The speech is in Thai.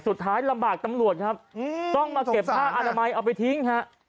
สุดท้ายลำบากตำรวจครับต้องมาเก็บผ้าอนามัยเอาไปทิ้งฮะ